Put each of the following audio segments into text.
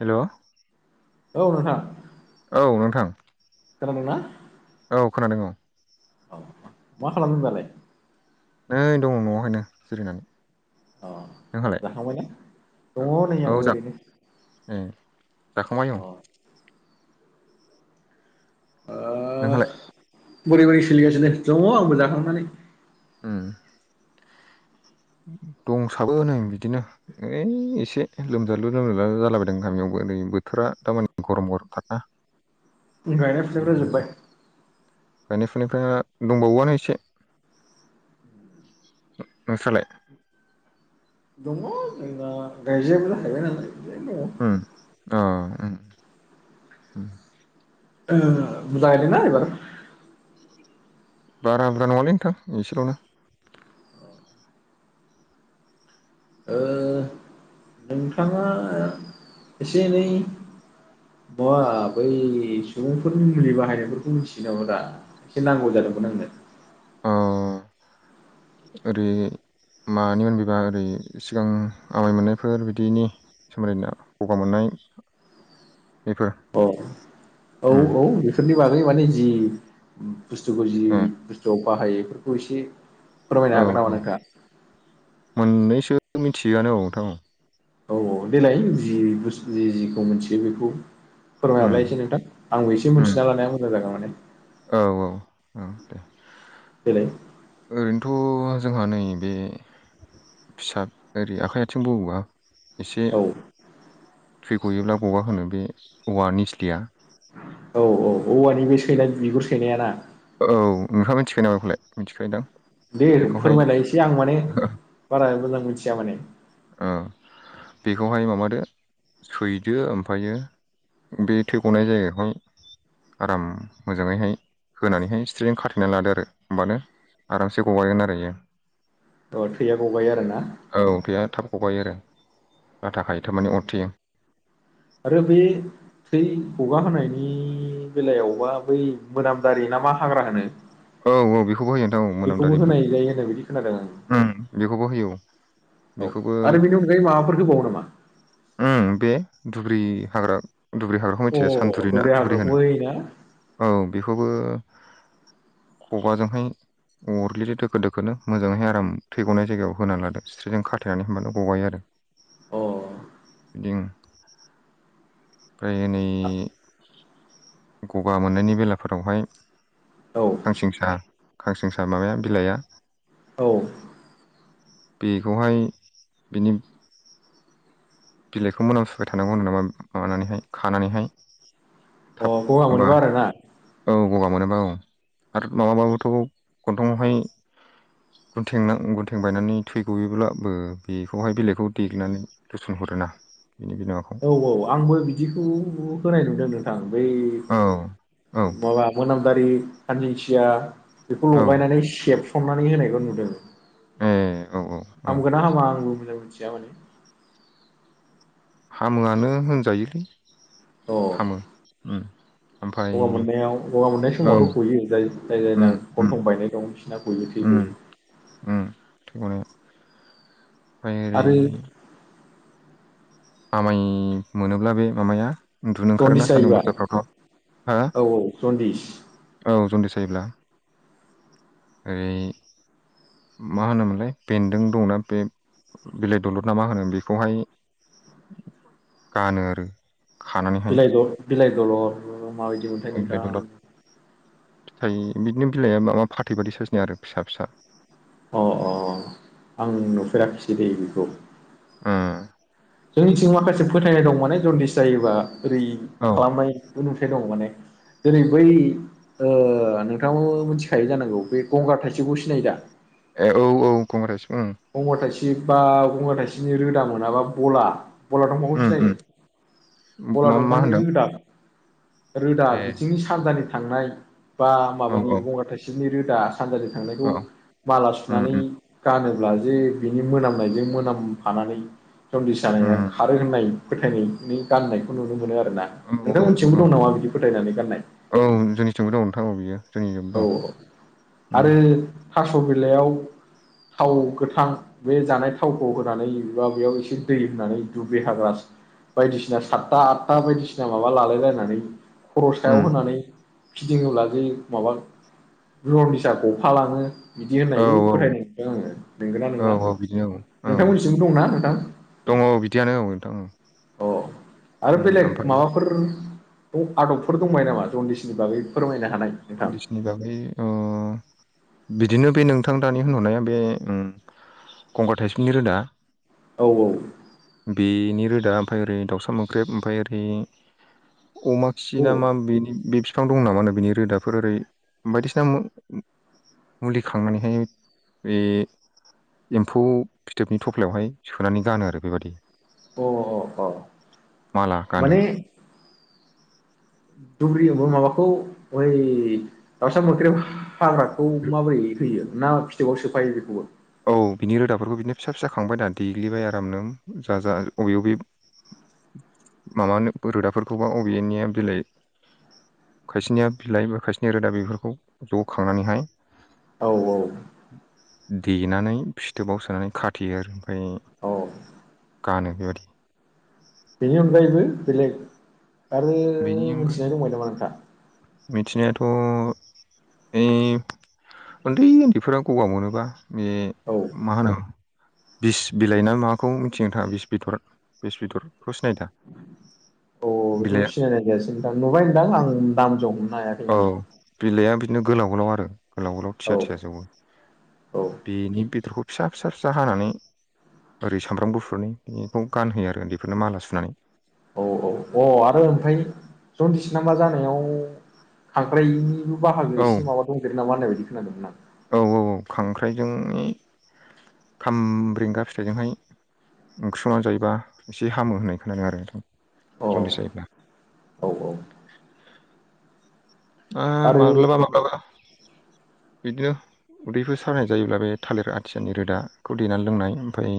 हेल' औ नोंथां औ नोंथां खोनादोंना? औ खोनादों औ औ मा खालामदों दालाय? नै दङ न'वावहायनो जिरानानै अ जाखांबायना दङ नै औ आंबो जा ओरैनो ए जाखांबाय औ अ ओ नोंहालाय? बोरै बोरै सोलिगासिनो दङ आंबो जाखांनानै उम दंसाबोनै बिदिनो ओइ एसे लोमजालुनो बोरैबा जालाबायदों गामियावबो नै बोथोरा दामानि गरम गरम थारना गायनाय फुनियफोरा जोबबाय गायनाय‌ फुनायफ्रा दंबावोआनो एसे नोंस्रालाय दङ जोंना गायजायाबो जाहैबाय नालाय। बिदिनो उम अ उम उम बुजा गायदोना एबार बारा बुरा नङालै नोंथां एसल'नो ओ नोंथाङा एसे एनै मा बै सुबुंफोरनि मुलि बाहायनायफोरखौ मिथियो नामा दा एसे नांगौ जायो आंनो ओैरै मानि मोनबेबा ओरै सिगां आमाय मोननायफोर बिदिनि सोमोन्दै गगा मोननाय [inaudible] बेफोर अ औ उम औ बेफोरनि बागै माने जि बुस्थुफोर जि उम बुस्थुआव बाहायो बेफोरखौ एसे फोरमायनो औ हागोन नामा औ नोंथाङा मिथिआनो औ नोंथां औ औ देलाय जि बुस्थु जि जिखौ मोनथियो बेखौ उम फोरमायहरलाय एसे नोंथां आंबो एसे उम मिथिना लानाया मोजां जागोन माने औ औ औ दे देलाय ओरैनोथ जोंहा नै बे फिसा ओरै आखाइ आथिं बावोबा एसे औ थै गयोब्ला गंगा होनो बे औवा निस्लिया औ औ औवानि बे सैनाय बिगुर सैनाया ना औ नोंथां नोंथाङा मिथिखायो नाम बेखौलाय मिथिखायोदां दे बेखौहाय फोरमायलायनोसै आं माने बारा मोजां मोनथिया माने औ बेखौहाय माबादो सैदो ओमफ्रायो बे थै गनाय जायगायावहाय आराम मोजाङैहाय होनानैहाय सथ्रिजों खाथेनानै लादो आरो होमबानो आरामसे गगागोन आरो बियो अ थैया गगायो आरोना औ थैया थाब गगायो आरो लाथा खायो थाबनानै अरथेयो। आरो बे थै खगा होनायनि बेलायावबा बै मोनामदारि ना मा हाग्रा होनो। औ औ बेखौबो होयो नोंथां औ बेखौबो मोनामदारि होनाय जायो होननाय बायदि खोनादों आं बेखौबो होयो औ। औ बेखौबो आरो बेनि अनगायै माबाफोर होबावो नामा बे दब्रि हाग्रा दुब्रि हाग्राखौ अ मिथिया सानदुरि ना दब्राय दुब्रि होनो हाग्राखौै ना औ बेखौबो खगाजोंहाय। अरग्लियो दोखो दोखोनो मोजाङैहाय आराम थै गनाय जायगायाव होना लादो सिथ्रिजों खाथायेनानै होनबानो गगायो आरो। अ बिदि ओमफ्राय नै गगा मोननायनि बेलाफोरावहाय औ खानसिं सा खांनसिं सा माबाया बिलाइआ औ। बेखौहाय बिनि बिलाइखौ मोनामसाय थानांगौ होन नामा माबानानैहाय खानानैहाय। थाब अ गगा होमबा मोनबा आरो ना? औ गगा मोनोबा औ आरो माबाबाबोथ गन्थंआवहाय। गन्थ गुनन्थें बायनानै थै गयोब्लाबो बेखौहाय बिलाइखौ देग्नानै गोरसोनहर आरोना औ औ आंबो बिदिखौ होनाय नुदों नोंथां। बै औ औ माबा मोनामदारि खानसिंसिया। बेखौ औ लगायनानै सेबसननानै होनायखौ नुदों। ए औ औ औ हामगोन ना हामा आंबो मोजां मोनथिया माने। हामोआनो होनजायोलै। अ हामो [inaudible] ओमफाय गगा मोननायाव गगा मोननाय औ समावथ' गयो जाय जाय उम जायना उम गन्थं बायनाय दं बिसिना गयो थै उम गयो। [unintelligible] थै गयो ओमफाय ओरै आरो आमाय मोनोब्ला बे मामाया उन्दुनो ओंखारोना जन्दिस सान्दुं जायोबा गोसाफ्रावथ' हा औ औ जन्दिस औ जन्दिस जायोब्ला ओरै मा होनोमोनलाय बेन्दों दंना बे बिलाइ दलद ना मा होनो बेखौहाय गानो आरो खानानैहाय बिलाइ द- बिलाइ दलर माबायदि मोनथाय बिलाइ दलद नोंथां। फिथाइ बिदिनो बिलाइआ माबा फाथै बादि साइजनि आरो फिसा फिसा अ अ आं नुफेराखिसै दैे बेखौ। ए जोंनिथिं माखासे फोथायनाय दं माने जन्दिस जायोबा ओरै औ खालामनाय नुफेर दां माने जेरै बै नोंथां मिथिखायो जानांगौ बे गंगार थाइसेबखौ सिनायो दा? ए औ औ कंग्रेस गंगार थाइसेब बा गंगार थाइसेबनि रोदा मोनाबा बला बला दंफांखौ सिनायो उम उम बला मा मा दंफांनि होनदों रोदा रोदा ए बिथिंनि सानजानि थांनाय बा औ माबानि औ गंगार थाइसेबनि रोदा सानजानि थांनायखौ औ माला सुनानै उम गानो। ब्ला जे बिनि मोनामनायजों मोनामफानानै जन्दिस जानाया उम खारो होननाय। फोथायनायनि गाननायखौ नुनो मोनो आरो। ना उम औ नोंथांमोन औ मोनथिंबो औ दं नामा बिदि फोथायनानै गाननाय? औ जोंनिथिंबो दं औ बियो जोंनिजोंबो औ दं औ उम आरो थास' बिलाइयाव थाव गोथां बे जानाय थावखौ होनानै बा बेयाव एसे दै होनानै दुुब्रि हाग्रा बायदिसिना सातथा आदथा बायदिसिना माबा लालायलायनानै खर' सायाव उम होनानै फिदिङोब्ला जे माबा जनदिसा गफा लाङो बिदि औ होननायबो फोथायनाय नुदों आङो नंगोना औ नङा औ बिदिनो औ औ नोंथांमोननिथिंबो दंना नोंथां? दङ बिदियानो औ नोंथां औ अ आरो उम बेलेग ओमफ्राय माबाफोर आदबफोर दंबायो नामा जन्दिसनि बागै फोरमायनो हानाय नोंथां जनदिसनि बागै बिदिनो बे नोंथां दानि होनहरनाया बे गंगार थाइसेनि रोदा औ बेनि रोदा ओमफाय ओरै दावसा मोख्रेब ओमफाय ओरै अमा खि औ ना मा बेनि बे बिफां दं नामा बिनि रोदाफोर ओरै बायदिसिना मुलि खांनानैहाय बे एम्फौ फिथोबनि थफ्लायावहाय सोनानै गानो आरो बेबायदि अ अ अ माला गानो माने दुब्रियावबो माबाखौ बै दाउसा मोख्रेब हाग्राखौ माबोरै होयो ना फिथोबाव सोफायो बेखौबो औ बिनि रोदाफोरखौ बिदिनो फिसा फिसा खांबायनाा देग्लिबाय आरामनो जा जा अबे अबे [unintelligible] माबानो रोदाफोरखौबा बबेनिया बिलाइ खायसेनिया बिलाइ बा खायसेनिया रोदा बेफोरखौ ज' खांनानैहाय औ औ देनानै फिथोबाव सोनानै खाथेयो आरो ओमफाय औ गानो बेबायदि बेनि अनगायैबो बेलेग आरो बेनि अनगायै मोनथिनाय दंबाय नामा नोंथाङा मिथिनायाथ' ओइ उन्दै उन्दैफोरा गगा मोनोबा बे औ माहोनो बिस बिलाइ ना माबाखौ मिथिनो थाङा बिस बिथर बिस बिथर बे खौ सिनायदा औ बेखौ बेलाइआ सिनायनाय नोंथां नुबाय नोंदां आं दाम जों हम- औ बिलाइआ बिदिनो गोलाव‌ गोलाव आरो गोलाव गोलाव थिया औ थिया जौवो औ बेनि बेदरखौ फिसा फिसा फिसा हानानै ओरै सामब्राम गुफुरनि बेनिखौ गानहोयो आरो उन्दैफोरनो माला सुनानै औ औ अ आरो ओमफ्राय जन्दिस नाबा जानायाव खांख्राइनिबो बाहागो औ एसे माबा दंदेरो नामा होननाय बायदि खोनादोंमोन आं औ औ खांख्राइजों खाम्रेंगा फिथाइजोंहाय ओंख्रि संनानै जायोबा एसे हामो होननाय खोनादों आरो नोंथां अ जनडिस औ जायोब्ला औ आ आरो माब्लाबा माब्लाबा बिदिनो उदैफोर सानाय जायोब्ला बे थालिर आथियानि रोदाखौ देनानै लोंनाय ओमफ्राय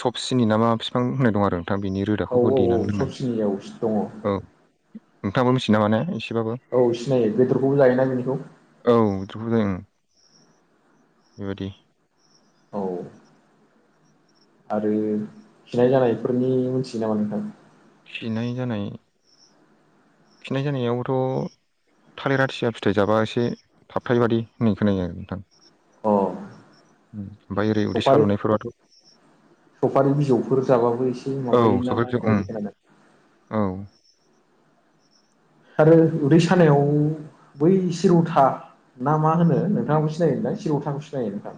सबसिनि नामा बिफां होननाय दं आरो नोंथां बिनि औ रोदाखौबो औ देनानै सब दोंनाय सिनियाव दङ औ नोंथाङाबो मिथियो नामा ने एसे औ सिनायो बेदरखौबो जायोना बिनिखौ बेदरखौबो जायो ओम बेबायदि औ आरो खिनाय जानायफोरनि मोनथियो नामा नोंथां खिनाय जानाय खिनाय जानायावबोथ' थालिरा आयथिया फिथाइ जाबा एसे थाबथायो बादि होननाय खोनायो आरो नोंथां औ ओमफ्राय ओरै उदै साल'नायफोराथ' खुर जाबाबो एसे माबायो नामा होनबायदि खोनादां आरो उदै सानायाव बै सिरौथा ना मा होनो नोंथाङाबो सिनायोयोदां चिरौथाखौ सिनायो नोंथां?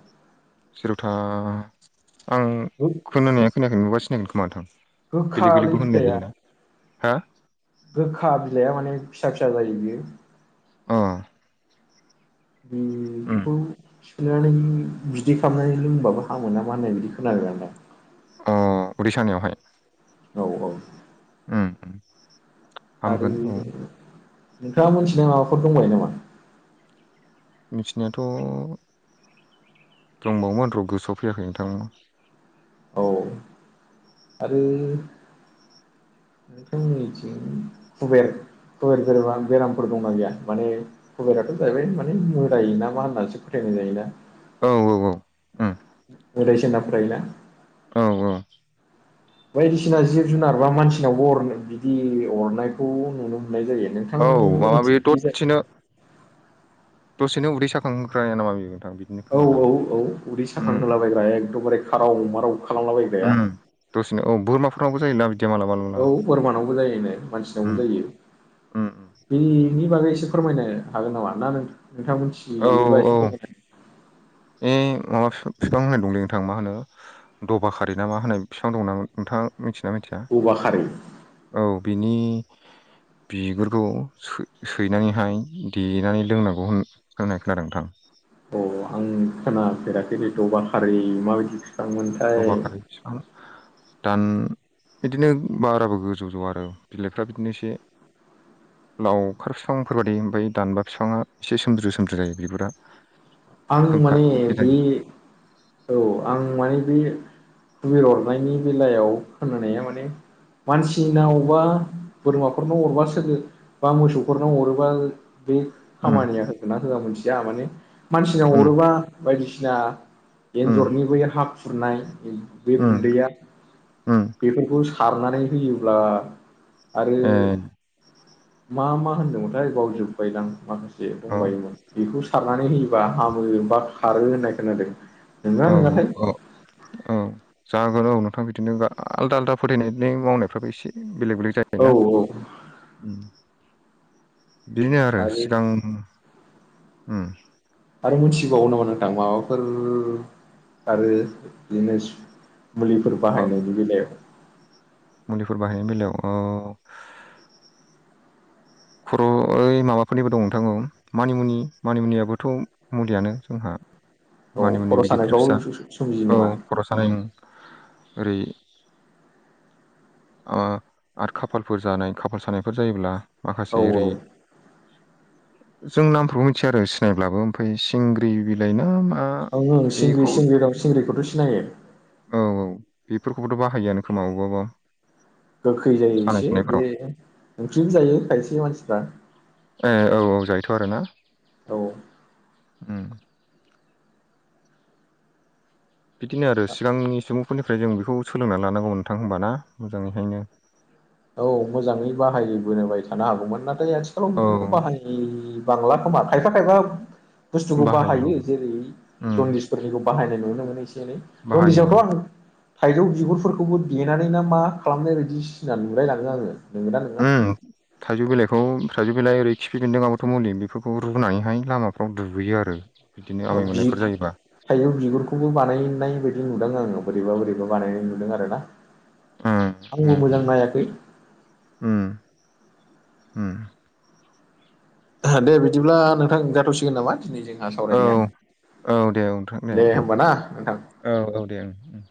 सेरौथा आं खोनानाया खोनायाखै नुबा सिनायगोन खोमा नोंथां बेलेग गोखालै बेलेगबो होननाय बिलाइआ जायोना हा गोखा बिलाइआ माने फिसा फिसा जायो बियो अ उम बेखौ सिफ्लेनानै बिदै खालामनानै लोंबाबो हामो नामा होननाय बायदि खोनादों आं अ उदै सानायावहाय औ औ उम आरो हामगोन औ नोंथाङा मोनथिनाय माबाफोर दंबायो नामा मिथिनायाथ' दंबावोमोन र' गोसोआव फैयाखै नोंथां औ आरो जोंनिथिं खुबेर खुबेर बा बेरामफोर दंना गैया माने खबेराथ' जाहैबाय माने मोदाय नामा होननासो फोथाय नाय जायो ना औ औ औ उम मोदायसो होनना फोथायोना औ-औ बायदिसिना जिब जुनार बा मानसिनाव अरना बिदि अरनायखौ नुनो मोन मोननाय जायो औ माबा बे नोंथांमोननिथिं बिदि जायो दसेनो दसेनो उदै साखांख्राया नामा बे औ-औ-औ उदै साखां उम होलाबायग्रा एकदमबारे खाराव माराव खालामलाबायग्राया उम दसेनो औ बोरमा फोरनावबो जायोना बिदिया मालाबा औ मालाबा बोरमानावबो जायोनो मानसिनावबो उम जायो उम उम बे बिनि बागै एसे फोरमायनो हागोन नामा ना नोंथां मिथिहैयोबा एसे फोरमायनो हो ओइ माबा बिफां होननाय दंलै नोंथां मा होनो दबा खारि नामा होनो फिफां दङोना नोंथां औबा खारै औ बिनि बिगुरखौ सैनानैहाय देनानै लोंनांगौ होन होननाय खोनादों नोंथां अ आं खोनाफेराखै बेथबा खारै माबायदि मामोनथाय जबा खारि बिफां दान बिदिनो बाराबो गोजौ जौवा आरो बिलाइफ्रा बिदिनो एसे लाव अखार बिफांफोर बाददि ओमफ्राय दानबा बिफाङा एसे सोमज्रो सोमज्रो जायो बिबुरा आं माने बे औ आं माने बे भुबिर अरनायनि बेलायाव खोनानायाया माने मानसि नाव आवबा बोरमाफोरनाव अरबा सोलो बा मोसौफोरनाव अरोबा बे उम खामानिया होखोना होआ मोनथिया माने मानसिनाव उम अरोबा बायदिसिना उम एन्जरनि बै हा खुरनाय बे उम गुन्दैया उम बेफोरखौ सारनानै होयोब्ला आरो ए मा-मा होनदोंमोनथाय गावजोबबायदां माखासे औ दंबायोमोन बेखौ सारनानै होयोबा हामो बा खारो होननाय खोनादों औ नगौना नङाथाय औ औ जागोन औ नोंथां बिदिनो आलदा आलदा फोथायनायनि मावनायफ्राबो एसे बेलेग बेलेग औ जायोना औ बेनो आरो सिगां ओम फोर आरो बिदिनो मुलिफोर बाहायनायनि बेलायाव मुलिफोर बाहायनाय बेलायाव खर' ओ माबाफोरनिबो दं नोंथां औ मानिमुनि मानिमुनियाबोथ' मुलियानो जोंहा औ मानि मुनि खर' बे गिदिर सानायफ्राव फिसा सोमजियो औ नामा खर' सानायनि ओरै आरो खाफालफोर जानाय खाफाल सानायफोर जायोब्ला माखासे औ ओरै जों नामफोरखौ मिथिया आरो सिनायब्लाबो ओमफ्राय सिंग्रि बिलाइ ना मा ओं ओं सिंग्रि बेखौ सिंग्रि दं सिंग्रिखौथ' सिनायो औ बेफोरखौबोथ' बाहायोआनो खोमा अबेबा अबेबा गोखै जायो एसे बे ओंख्रिबो जायो खायसे मानसिफ्रा औथ आरोना औ ओम बिदिनो आरो सिगांनि सुबुंफोरनिफ्राय जों बेखौ सोलोंनानै लानांगौमोन नोंथां होमबा ना मोजाङैहायनो औ मोजाङै बाहाय बोनाय थानो हागौमोन नाथाय आथिखालाव औ बेफोरखौ बाहाय बांलाखौ खोमा खायफा खायफा बुस्थुखौ बाहायो जेरै उम जनदिसफोरनिखौ बाहायनाय नुनो मोनो जरै बाहायो औ दनदिसावथ' आं थाइजौ बिगुरफोरखौबो देनानै ना मा खालामनाय बायदि [unintelligible] नुलायलाङो आङो नंगौना नङा ओं थाइजौ बिलाइखौ थाइजौ बेलाइ ओरै खिफि बेन्दों आबोथ' मुलि बेफोरखौ रुनानैहाय लामाफ्राव दुगैयो आरो बिदिनो औ आमाय बि मोननायफोर जायोबा थाइजौ बिगुरखौबो बानायनाय बायदि नुदां आङो बोरैबा बोरैबा बानायनाय नुदों आरोना उम आंबो उम मोजां नायाखै। उम उम दे बिदिब्ला नोंथां जाथ'सिगोन नामा दिनै जो औ औ दे नोंथां दे होमबा ना नोंथां औ औ दे। उम